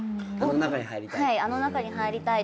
あの中に入りたい？